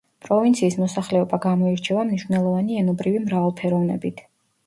პროვინციის მოსახლეობა გამოირჩევა მნიშვნელოვანი ენობრივი მრავალფეროვნებით.